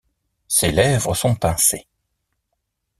Ses lèvres sont pincées.